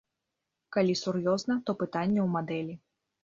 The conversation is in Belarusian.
Калі сур'ёзна, то пытанне ў мадэлі.